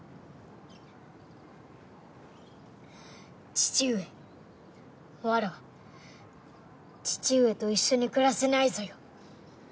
父上わらわ父上と一緒に暮らせないぞよ。